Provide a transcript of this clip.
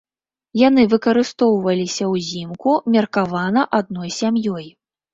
Яны выкарыстоўваліся ўзімку, меркавана адной сям'ёй.